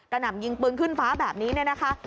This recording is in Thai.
หนำยิงปืนขึ้นฟ้าแบบนี้เนี่ยนะคะ